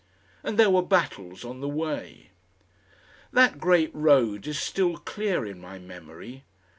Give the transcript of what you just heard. And there were battles on the way. That great road is still clear in my memory.